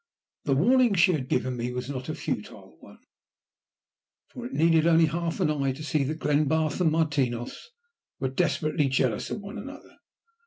The warning she had given me was not a futile one, for it needed only half an eye to see that Glenbarth and Martinos were desperately jealous of one another.